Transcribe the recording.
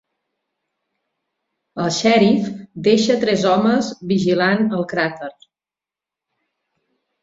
El xèrif deixa tres homes vigilant el cràter.